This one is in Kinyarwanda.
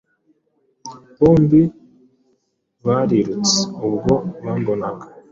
Bombi barirutse ubwo bambonaga